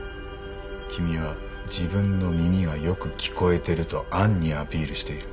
君は自分の耳がよく聞こえてると暗にアピールしている。